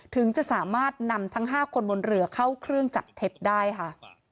ถึงจะสามารถนำทั้ง๕คนบนเรือเข้าเครื่องจับเท็จได้ค่ะ